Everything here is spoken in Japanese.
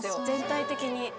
全体的に。